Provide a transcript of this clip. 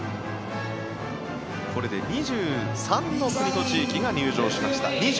これで２３の国と地域が入場しました。